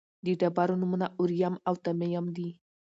د ډبرو نومونه اوریم او تمیم دي.